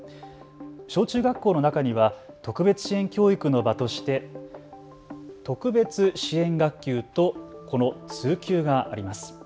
小中学校の中には特別支援教育の場として特別支援学級とこの通級があります。